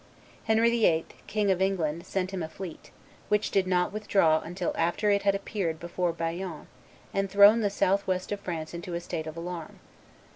Henry VIII., King of England, sent him a fleet, which did not withdraw until after it had appeared before Bayonne and thrown the south west of France into a state of alarm.